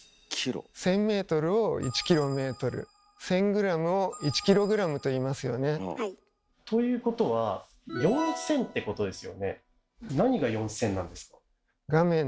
１，０００メートルを１キロメートル１，０００グラムを１キログラムといいますよね。ということは４，０００ってことですよね。